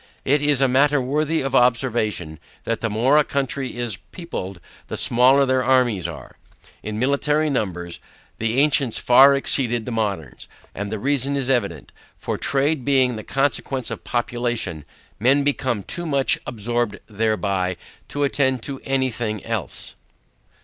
It is a matter worthy of observation, that the more a country is peopled, the smaller their armies are. In military numbers, the ancients far exceeded the moderns: and the reason is evident, for trade being the consequence of population, men become too much absorbed thereby to attend to any thing else.